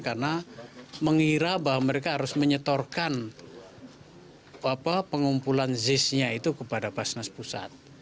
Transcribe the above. karena mengira bahwa mereka harus menyetorkan pengumpulan ziznya itu kepada basnas pusat